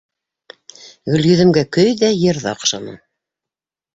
Гөлйөҙөмгә көй ҙә, йыр ҙа оҡшаны.